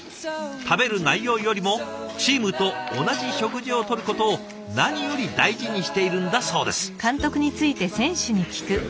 食べる内容よりも「チームと同じ食事をとること」を何より大事にしているんだそうです。